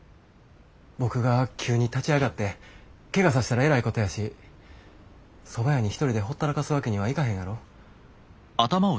僕が急に立ち上がってけがさせたらえらいことやしそば屋に一人でほったらかすわけにはいかへんやろ？